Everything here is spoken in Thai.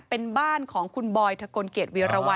เป็นบ้านของคุณบอยทะกลเกียจวีรวรรณ